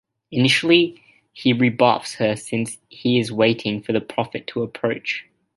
Initially, he rebuffs her since he is waiting for the prophet to approach.